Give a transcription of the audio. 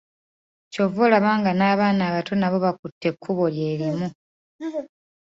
Ky'ova olaba nga n'abaana abato nabo bakutte ekkubo lye limu.